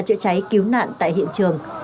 chữa cháy cứu nạn tại hiện trường